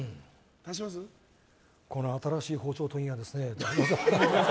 この新しい包丁研ぎがですね。